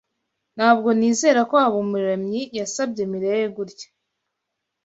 Ntabwo nizera ko Habumuremyi yasebya Mirelle gutya.